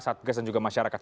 satgas dan juga masyarakat